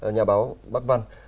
nhà báo bác văn